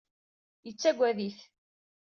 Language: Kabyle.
Yettagad-it.